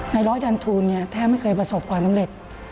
ร้อยดันทูลแทบไม่เคยประสบความสำเร็จ